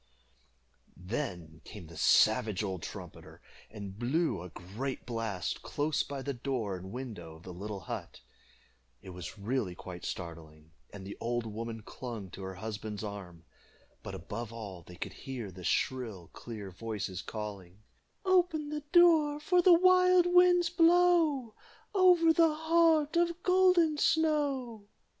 Then came the savage old trumpeter, and blew a great blast close by the door and window of the little hut. It was really quite startling, and the old woman clung to her husband's arm; but above all they could hear the shrill clear voices calling "Open the door, For the wild winds blow Over the heart Of Golden Snow."